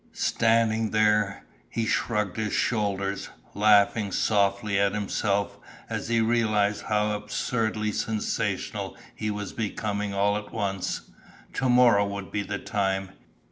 Standing there, he shrugged his shoulders, laughing softly at himself as he realized how absurdly sensational he was becoming all at once. To morrow would be time.